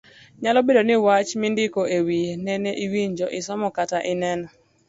Nyalo bedo ni wach mindiko ewiye nene iwinjo, isomo kata ineno.